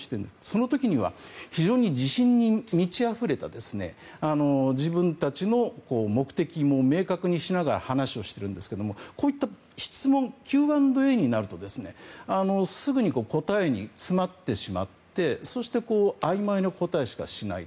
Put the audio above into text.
その時には非常に自信に満ちあふれた自分たちの目的も明確にしながら話をしているんですけどこういった質問、Ｑ＆Ａになるとすぐに答えに詰まってしまってそしてあいまいな答えしかしない。